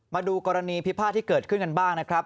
มาดูกรณีพิพาทที่เกิดขึ้นกันบ้างนะครับ